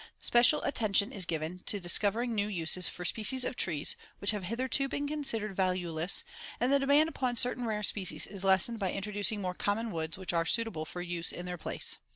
Special attention is given to discovering new uses for species of trees which have hitherto been considered valueless, and the demand upon certain rare species is lessened by introducing more common woods which are suitable for use in their place.